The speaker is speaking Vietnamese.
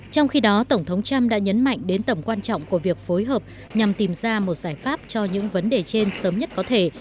trong khi đó tổng thống trump đã nhấn mạnh đến tầm quan trọng của việc phối hợp nhằm tìm ra một giải pháp cho những vấn đề trên sớm nhất có thể